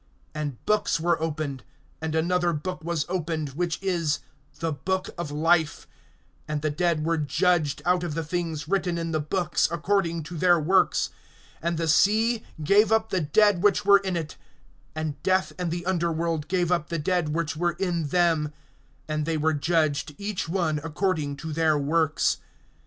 And books were opened; and another book was opened, which is [the book] of life; and the dead were judged out of the things written in the books, according to their works. (13)And the sea gave up the dead which were in it; and death and the underworld gave up the dead which were in them; and they were judged each one according to their works.